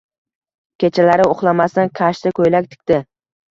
Kechalari uxlamasdan kashta, ko`ylak tikdi